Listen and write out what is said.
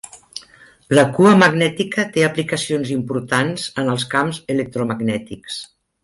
La cua magnètica té aplicacions importants en els camps electromagnètics.